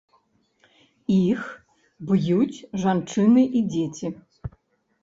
Іх б'юць жанчыны і дзеці.